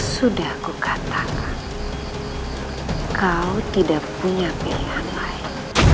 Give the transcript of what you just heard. sudah aku katakan kau tidak punya pilihan lain